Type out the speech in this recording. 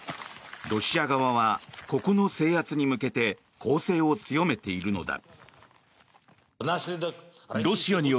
ロシア側はここの制圧に向けて攻勢を強めているのだ。